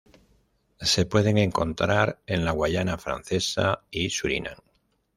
Se pueden encontrar en la Guayana Francesa y Surinam.